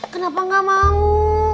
kenapa gak mau